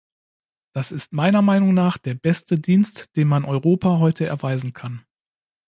Das ist meiner Meinung nach der beste Dienst, den man Europa heute erweisen kann.